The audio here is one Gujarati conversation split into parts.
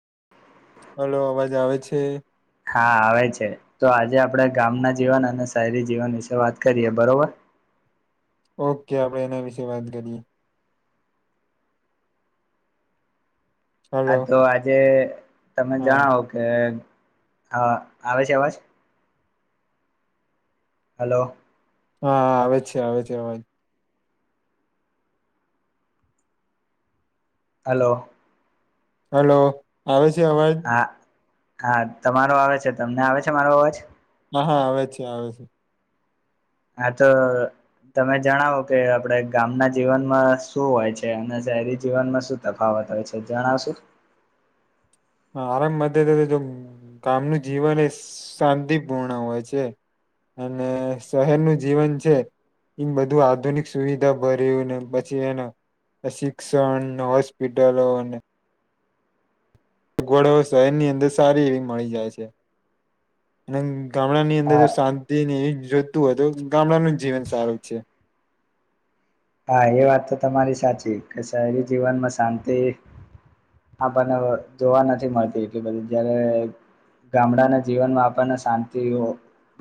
[inaudible] હાલ અવાજ આવે છે હા આવે છે તો આજે આપડે ગામના જીવન અને શહેરી જીવન વિશે વાત કરીએ બરોબર [inaudible] ઓકે આપણે એના વિશે વાત કરીએ હા હલો તો આજે તમે હા આવે છે અવાજ હલો હા આવે છે આવે છે અવાજ હલો હલો આવે છે અવાજ હા હા તમારો આવે છે તમને આવે છે મારો અવાજ હા હા આવે છે આવે છે હા તો તમે જણાવો કે આપડે ગામના જીવનમાં શું હોય છે અને જાહેરી જીવનમાં શું તફાવત હોય છે જણાવશું હા આરામ મદદ જો ગામનું જીવન એ શાં અને શહેરનું જીવન છે એ બધું આધુનિક સુવિધા ભરેયું ને પછી એના અશિક્ષણ, હોસ્પિટલો અને અગવડો શહેરની અંદર સારી એવી મળી જાય છે, અને ગામડા ની અંદર હા જો શાંતિ જોયતું હોય તો હા એ વાત તો તમારી સાચી કે શહેરી જીવનમાં શાંતિ હા પણ અવ જોવા નથી મળતી એટલી બધી જયારે ગામડાના જીવનમાં આપણને શાંતિઓ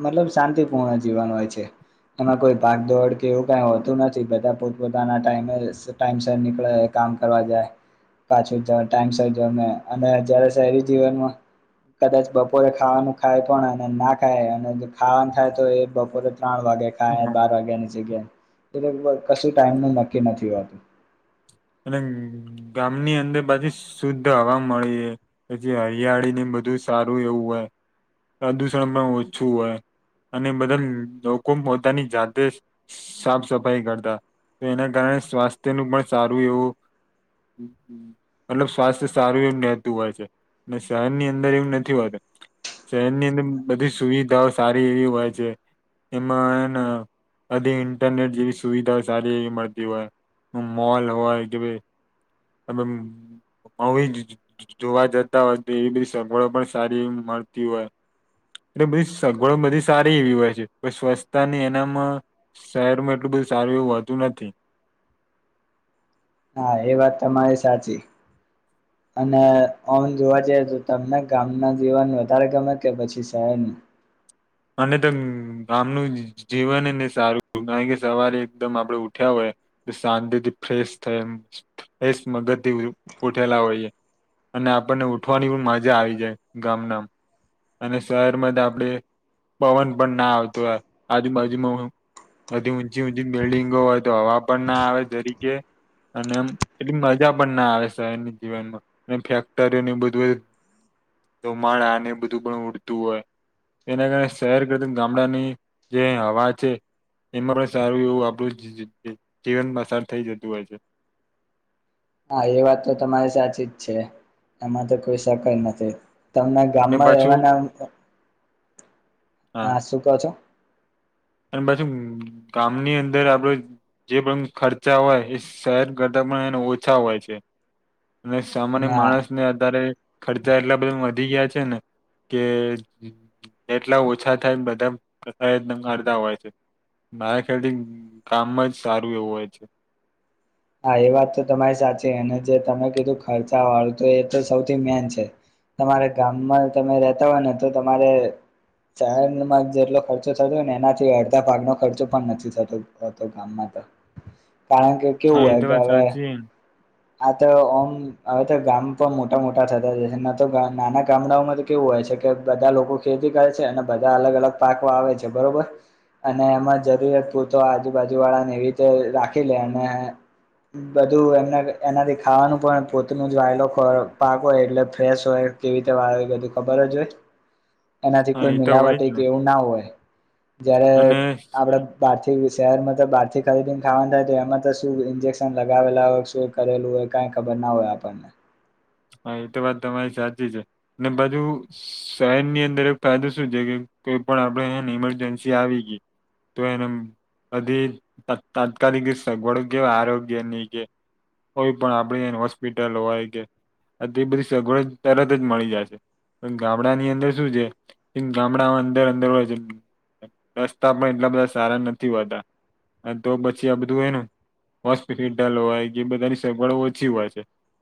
મતલબ શાંતિપૂર્ણ જીવન હોય છે, એમાં કોઈ પાક દોડ કે એવું કઈ હોતું નથી. બધા પોતપોતાના ટાયમે સ ટાઈમસર પાછું જ ટાઈમસર જો અમે અને અત્યારે શહેરી જીવનમાં કદાચ બપોરે ખાવાનું ખાય, પણ અને ના ખાય, અને ખાવાનું થાય તો એ બપોરે. ત્રણ વાગ્યા હા ખાય બાર વાગ્યા ની જગ્યા એ કશું ટાઈમનું નક્કી નથી હોતું. અને ગામની અંદર પાછી શુદ્ધ હવા મળી પછી હરિયાળી ની બધું સારું એવું હોય પ્રદુષણમાં ઓછું હોય. અને બધા લોકો પોતાની જાતે સાફ સફાઈ કરતા તો એના કારણે સ્વાસ્થ્ય નું પણ સારું એવું. મતલબ સ્વાસ્થ્ય સારું એવું રહેતું હોય છે, ને શહેરની અંદર એવું નથી હોતું. શહેરની અંદર બધી સુવિધાઓ સારી એવી હોય છે. એમાં હેન અડધી ઇન્ટરનેટ જેવી સુવિધા સારી એવી મળતી હોય. મોલ હોય કે ભઈ એમમ હોવ જ જોવા જતા હોય તો એવી બધી સગવડો પણ સારી મળતી હોય. એટલે બધી સગવડ બધી સારી એવી હોય છે, સ્વચ્છતા ની એનામાં શહેરમાં એટલું બ સારું એવું હોતું નથી. [inaudible] હા એ વાત તમારે સાચી, અને [inaudible] અને તો ગામનું જીવનને સારું કારણ કે સવારે એકદમ આપડે ઉઠ્યા હોય. શાંતિથી ફ્રેશ થાય ફેશ મગજ થી ઉઠેલા હોયે અને આપણને ઉઠવાની પણ મજા આવી જાય, ગામ નામ અને શહેરમાં જ આપડે પવન પણ ના આવતો હો આજુ બાજુમાં ઓ બધી ઊંચી ઊંચી બિલ્ડિંગો હોય તો હવા પણ ના આવે જરીકે અને એમ એટલી મજા પણ ધુમાડા ને બધું પણ ઉડતું એના કારણે શહેર કરતા ગામડાની જે હવા છે, એમાં બ સારું [inaudible] હા એ વાત તો તમારી સાચી જ છે, એમાં તો કોઈ શક જ નથી ‌. તમને અને ગામમાં પાછું રહેવાના, હા શું કહો છો. અને પાછી ગામની અંદર આપડું જે પણ ખર્ચા હોય, એ શહેર કરતા પણ એન ઓછા હોય છે. અને સામાન્ય હા માણસ ને આધારે ખર્ચા એટલા બધા વધી ગયા છેને કે એટલા ઓછા થાય ને બધાં પ્રકારે એકદમ [unintelligible] બધા હોય છે, મારા ખ્યાલથી ગામમાં જ સારું એવું હોય છે. હા, એ વાત તો તમારી સાચી અને જે તમે કીધું ખર્ચા વાળું તો એ તો સૌથી મેન છે. તમારા ગામમાં તમે રહેતા હોય ને તો તમારે શહેરમાં જેટલો ખર્ચો થતો હોય ને એનાથી અડધા ભાગનો ખર્ચો પણ નથી થતો ગામમાં કારણકે કેવું હા એ હોય તો કે વાત હવે સાચી આ તો ઓમ, હવે તો ગામ પણ મોટા મોટા થતા જશે ન તો નાના ગામડાઓમાં તો કેવું હોય છે કે બધા લોકો ખેતી કરે છે અને બધા અલગ અલગ પાક વાવે છે બરોબર અને એમાં જરૂરિયાત પૂરતો આજુબાજુ વાળાને એવી રીતે રાખીલે અને બધું એમના એનાથી ખાવાનું પણ પોતનું [unintelligible] વાયલો પાક હોય એટલે ફ્રેશ હોય કેવી રીતે વાવે બધું ખબરજ હોય, એનાથી હા કોઈ એ તો હોય મિલાવટ જ ને કે એવું ના હોય જયારે અને આપડે બહારથી શહેરમાં તો બહારથી ખરીદીને ખાવાનું થાય તો એમાં શું ઇન્જેક્શન લગાવેલા હોય, શું કરેલું હોય કાઈ ખબરના હોય આપણને હા, એતો વાત તમારી સાચી છે, ને બાજુ શહેર ની અંદર એક ફાયદો શું છે કે કોઈ પણ આપડે એને ઇમરજન્સી આવી ગઈ તો એનામ અધી તાત્કાલિક સગવડ કે આરોગ્યની કે કોઈ પણ આપડી એને હોસ્પિટલ હોય કે તે બધી સગવડો તરતજ મળી જાય છે. પણ ગામડાની અંદર શું છે, એમ ગામડા અંદર અંદર હોય છે. રસ્તા પણ એટલા બધા સારા નથી હોતા અને તો પછી આ બધું એનું હોસ્પિલ હોય કે બધાની સગવડો ઓછી હોય છે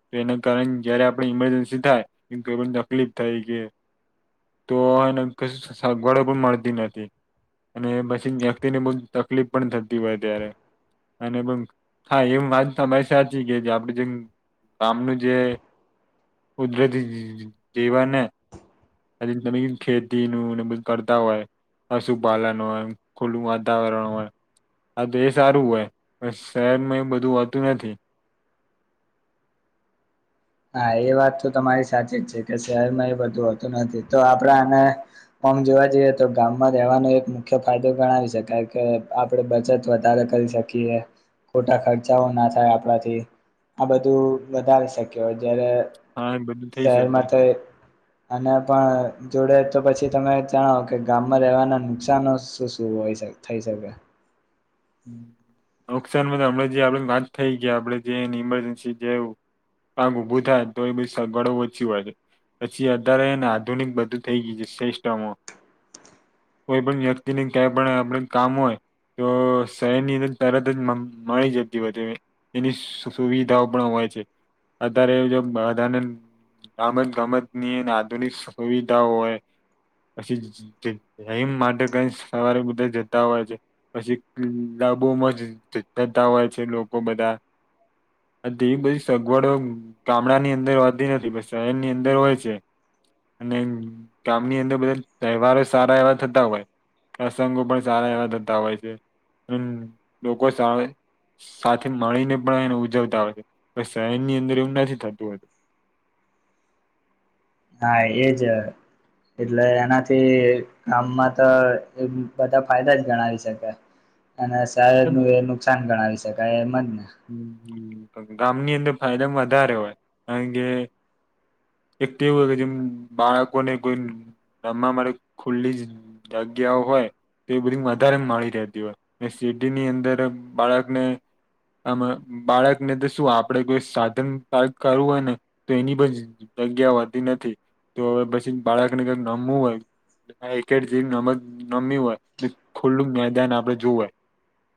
તો એને કારણ જયારે આપડે ઇમરજન્સી થાય, કે કોઈ પણ તકલીફ થાય છે તો એને કશ સગવડો પણ મળતી નથી. અને પછી વ્યક્તિને બહું તકલીફ પણ થતી હોય ત્યારે અને [unintelligible] એમ વાત તમારી વાત સાચી કે આપડે જેમ ગામનું જે કુદરતી જીવાને આજ તમે કીધુને ખેતીનું બધું કરતા હોય પશુપાલન હોય ખુલ્લું વાતાવરણ હોય હા તે સારું હોય પણ શહેરમાં એ બધું હોતું નથી. [inaudible] હા એ વાત તો તમારી સાચી જ છે કે શહેરમાં એ બધું હોતું નથી તો આપડા આને ઓમ જો જોવા જઈએ તો ગામમાં રહેવાનો એક મુખ્ય ફાયદો ગણાવી શકાય કે આપણે બચત વધારે કરી શકીએ એ, ખોટા ખર્ચાઓના થાય આપડાથી, આ બધું વધારે શકી કે જ્યારે હા એ બધું થઈ શકે શહેરમાં તો એ આના પણ જોડે તો પછી તમે જણાવો કે ગામમાં રહેવાના નુકસાન શું શું હોય થઈ શકે? નુકસાનમાં તો હમણા જે આપડે વાત થઈ કે જે ઇમરજન્સી જેવુ પાક ઊભું થાય, તો એ બી સગવળો ઓછી હોય છે. પછી અધારે એને આધુનિક બધું થઈ ગયું છે, સિસ્ટમો કોઈ પણ વ્યક્તિની કયાય પણ આપડે કામ હોય તો શહેરની અંદર તરતજ મળી જતી હોય છે, એની સુવિધાઓ પણ હોય છે. અત્યારે એવુ જો બધાનંદ ગમત ગમત ની એ આધુનિક સુવિધાઓ હોય. પછી જી-જીમ માટે કરી સવારે બધા જતા હોય છે પછી ક્લબો માં જ-જતા હોય છે લોકો બધા. હ તેવી બધી સગવડો ગામડાની અંદર હોતી નથી, પણ શહેરની અંદર હોય છે. અને ગામની અંદર બધા તહેવારો સારા એવા થતા હોય. પ્રસંગો પણ સારા એવા થતા હોય છે, અન લોકો સાળે સાથે મળીને પણ એને ઉજવતા હોય, પણ શહેર ની અંદર એવું નથી થતું હોતું. હા એજ એટલે એનાથી ગામમાં ત બધા ફાયદા જ ગણાવી શકે. અને સાહેદ નું એ નુકસાન ગણાવી શકાય એમ જ ને. ગામની અંદર ફાયદા વધારે હોય કારણ કે [inaudible] એક તો એવું હોય કેજે બાળકો ને કોઈ રમવા માટે ખુલ્લી જગ્યાઓ હોય. તે બધી વધારે મળી રહેતી હોય, ને સિટીની અંદર બાળકને આ બાળકને તો શું આપડે કોઈ સાધન પાર્ક કરવું હોય ને તો એની પણ જ જગ્યા હોતી નથી, તો હવે પછી બાળકને કઈક રમવું હોય. ક્રિકેટ જેવી રમત રમવી હોય ખુલ્લું મેદાન આપડે જુએ.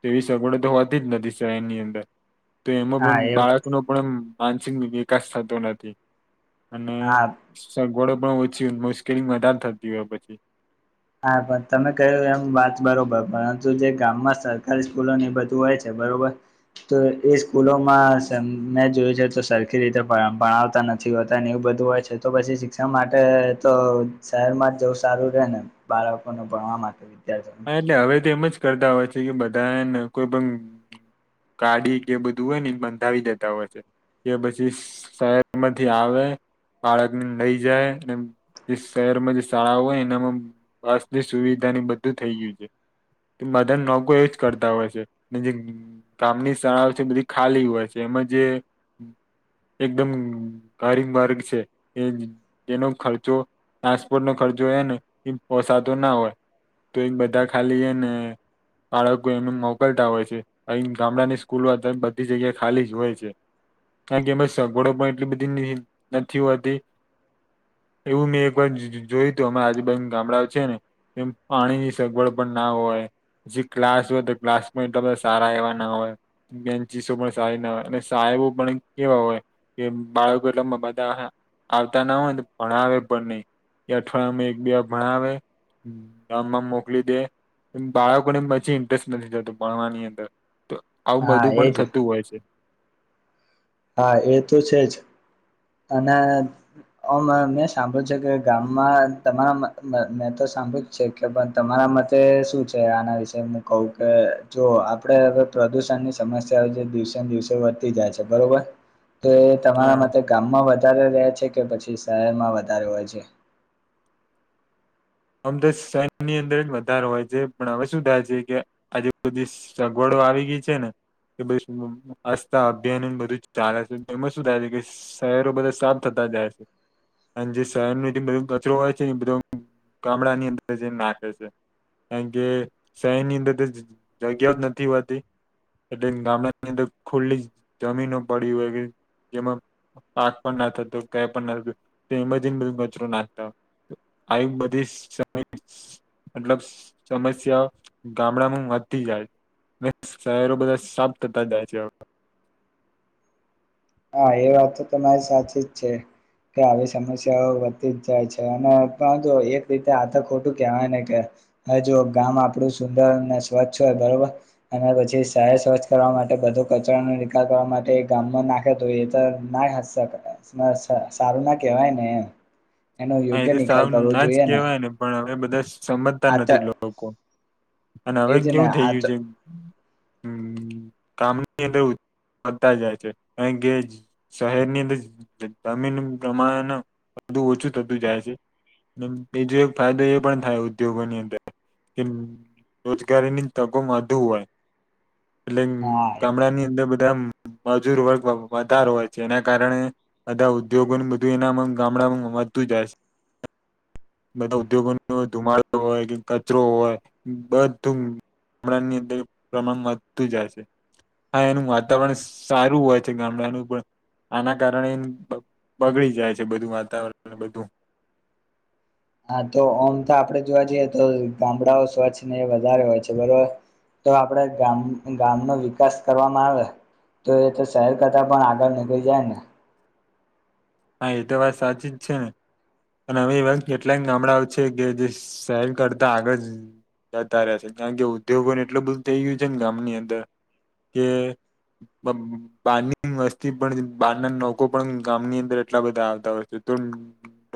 એવી સગવડ તો હોતી જ નથી શહેરની અંદર તો એમાં હા પણ એ બાળકનો પણ મ માનસિક વિકાસ થતો નથી અને હા સગવડો પણ ઓછી મુશ્કેલી વધાર થતી હોય પછી. હા પણ તમે કહ્યું એમ વાત બરોબર પરંતુ જે ગામમાં સરકારી સ્કૂલો ને એ બધું હોય છે. બરોબર તો એ સ્કૂલોમાં સન ને જોયુ જાય તો સરખી રીતે ભણ ભણાવતા નથ નથી હોતા ને એવું બધું હોય છે તો પછી શિક્ષણ માટે તો શહેર માં જવું સારું રે ને. બાળકોને ભણવા માટે વિદ્યાર્થીઓને હા એટલે હવે તો એમ જ કરતા હોય છે કે બધા હેન કોઈ પણ ગાડી કે બધું હોય ને ઈ બંધાવી દેતા હોય છે. કે પછી શ-શહેરમાંથી આવે બાળકને લઈ જાય ને જે શહેરમાં જે શાળાઓ હોય એનામાં બસની સુવિધાની બધું થઈ ગ્યું છે. બધા લોકો એવું જ કરતા હોય છે ને જે ગામની શાળાઓ છે બધી ખાલી હોય છે. એમા જે એકદમ ગરીબ વર્ગ છે કે જેનો ખર્ચો ટ્રાન્સપોર્ટ નો ખર્ચો એ ન એ પોસાતો ના હોય તો ઈ બધા ખાલી એને બાળકો એનું મોકલતા હોય છે અહીં ગામડાની સ્કૂલો બધી જગ્યા ખાલી જ હોય છે હા કેમ કે એમા સગવડો પણ એટલી બધી નથી હોતી એવું મેં એક વાર જ જ જોય તું અમારા આજુબાજુ ગામડાઓ છે ને એ પાણીની સગવડ પણ ના હોય. જે ગ્લાસ હોય તો ગ્લાસમાં એટલા બધા સારા એવા ના હોય. બેન્ચીસો પણ સારી ના હોય, અને સાહેબઓ પણ કેવા હોય? કે બાળકો એટલા બધા આવતા ના હોયને ભણાવે પણ નહી. એ અઠવાડિયામાં એક બે ભણાવે. ગામમાં મોકલી દે બાળકો ને પછી ઇન્ટરેસ્ટ નથી થતો ભણવાની અંદર તો આવું હા બધું પણ એજ થતું હોય છે. હા એ તો છે જ. અને ઓમ મેં સાંભળ્યું છે કે ગામમાં તમારા મ મ મેતો સાંભળ્યું જ છે કે તમારા મતે શું છે આના વિશે હું કહું કે જો આપડે હવે પ્રદૂષણની સમસ્યાઓ જે દિવસે ને દિવસે વધતી જાય છે બરોબર. તો એ તમારા હા મતે ગામમાં વધ વધારે રે છે કે પછી શહેરમાં વધારે હોય છે. ઓમ તો શહેરની અંદર જ વધારે હોય છે પણ હવે શું થાય છે કે આજે બધી સગવડો તો આવી ગી છે ને. [unintelligible] સ્વરછતા અભિયાન નું બધું જ ચાલે છે એમાં શું થાય છે કે શહેરો બધા સાફ થતા [unintelligible] ગામડા ની અંદર જઈને નાખે છે. કારણ કે શહેરની અંદર દ જ-જ-જગ્યા ઓજ નથી હોતી. એટલે ગામડા ની અંદર ખુલ્લી જ જમીનો પડી હોય, કે જેમાં પાક પણ ના થતો કય પણ ના થતું એમાં જને બ કચરો નાખતા. આઈ બધ [unintelligible] મતલબ સમસ્યા ગામડામાં વધી જાય છે. ને શહેરો બધા સાફ થતા જાય છે હવ હા એ વાત તો તમારી સાચી જ છે. કે આવી સમસ્યાઓ વધતી જ જાય છે અને જો એક રીતે આથ ખોટું કેહેવાય ને કે. હ જોુ ગામ આપડું સુંદર અને સ્વચ્છ હોય બરોબર અને પછી શહે સ્વચ્છ કરવા માટે. બ કચરા ન નિકાલ કરવા માટે ગામમાં ના. એ ના સારું ના કેહેવાય ને એમ. એનો હા એ યોગ્ય તો નિકાલ સાવ કરવો ના જ જોઈએ કેવાય ને પણ હવે બધા. સમજતા આ તો નથી લોકો અને હવે એજ ને કેવું થઈ આ ગયું તો છે. [inaudible] કામની. થતા જાય છે કારણ કે શહેરની અંદર જમીન પ્રમાણ. બધું ઓછું થતું જાય છે એજ ફાયદો એ પણ થાય ઉદ્યોગોની અંદર. કે રોજગારીની તકો વધુ હોય. એટલે હા ગામડા ની અંદર બધા. મજૂર વર્ગ વધારે હોય છે એના કારણે બધા ઉદ્યોગોને બધું એના ગામડામાં. તુજ આ. બધા ઉદ્યોગો ન ધુમાડો હોય કે કચરો હોય બધું. ગણા ની અંદર પ્રમાણ વધતું જાય છે. હા એનું વાતાવરણ સારું હોય છે ગામડાનું પણ. આના કારણે બગડી જાય છે બધું વાતાવરણ બધું. [inaudible] હા તો ઓમ તો આપડે જોવા જઈએ તો ગામડાઓ સ્વચ્છ ને એ વધારે હોય છે બરોબર. તો આપડે ગામ ગામ નો વિકાસ કરવામાં આવે. તો એ તો શહેર કરતા પણ આગળ નીકળી જાય ને. હા એ તો વાત સાચી જ છે ને. અને હવે એવા કેટલાય ગામડાઓ છે કે જે સહેર કરતા આગળ. જતા રહેશે કારણ કે ઉદ્યોગો ને એટલું બધું થઇ ગયું છે ને ગામની અંદર કે. બારની વસ્તી પણ બાર ના લોકો પણ ગામની અંદર. એટલા બધા આવતા હોય છે તો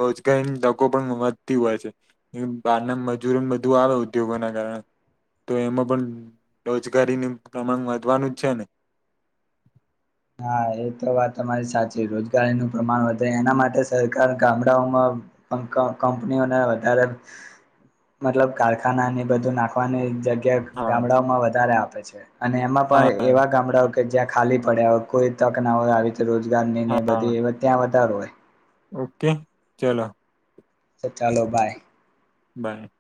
રોજગારીની તકો પણ વધતી હોય છે બારના મજૂર બધું આવે ઉદ્યોગો ના કારણે તો એમાં પણ રોજગારીનું પ્રમાણ વધવાનું જ છે ને [inaudible] હા એ તો વાત તમારી સાચી રોજગારીનું પ્રમાણ વધે એના માટે સરકાર ગામડાઓમાં. ક ક કંપનીઓના વધારે. મતલબ કારખાના ને બધું નાખવાની જગ્યા. હા ગામડાઓમાં વધારે આપે છે અને એમાં પણ હા એવા ગામડાઓ કે જ્યાં ખાલી પડ્યા. કોઈ તક ના હોય આવીતે રોજગાર નઈ ને હા બધી એવ ત્યાં વધારો હોય. ઓકે ચલો. ચાલો બાય. બાય.